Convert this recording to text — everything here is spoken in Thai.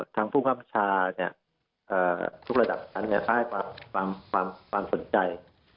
ทั้งผู้ค้ำประชาทุกระดับทั้งนี้ให้ความสนใจ